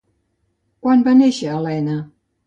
Quan va néixer Helena?